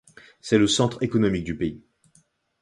C'est le centre économique du pays.